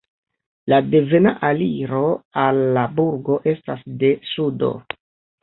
La devena aliro al la burgo estas de sudo.